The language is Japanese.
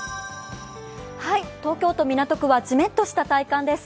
東京都港区はじめっとした体感です。